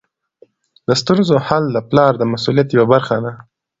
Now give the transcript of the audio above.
د ستونزو حل د پلار د مسؤلیت یوه برخه ده.